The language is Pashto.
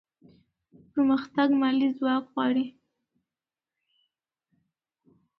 پرمختګ مالي ځواک غواړي.